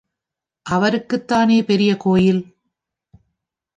அவருக்குத்தானே பெரிய கோயில்.